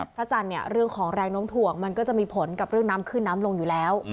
พระจันทร์เนี่ยเรื่องของแรงน้มถ่วงมันก็จะมีผลกับเรื่องน้ำขึ้นน้ำลงอยู่แล้ว